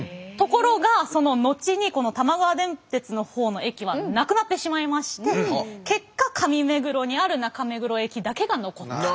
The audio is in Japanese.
ところがその後にこの玉川電鉄の方の駅はなくなってしまいまして結果上目黒にある中目黒駅だけが残った。